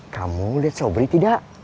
kamu lihat sobri tidak